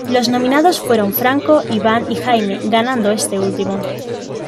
Los nominados fueron Franco, Iván y Jaime, ganando este último.